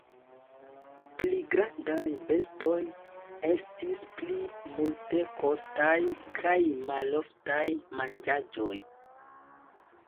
Pli grandaj bestoj estis pli multekostaj kaj maloftaj manĝaĵoj.